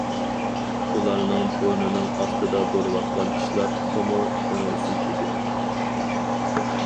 ئۇلارنىڭ بۇرنىنىڭ ئاستىدا بولۇۋاتقان ئىشلار تېخىمۇ كۆڭۈلسىز ئىدى.